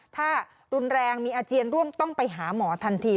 ถ้ารุนแรงมีอาเจียนร่วมต้องไปหาหมอทันที